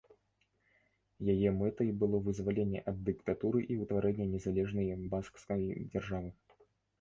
Яе мэтай было вызваленне ад дыктатуры і ўтварэнне незалежнай баскскай дзяржавы.